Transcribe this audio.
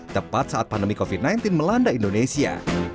tepat saat pandemi covid sembilan belas melanda indonesia